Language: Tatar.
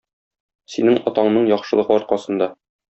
Синең атаңның яхшылыгы аркасында.